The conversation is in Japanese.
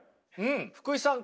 福井さん